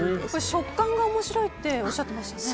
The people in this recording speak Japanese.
食感が面白いっておっしゃってましたね。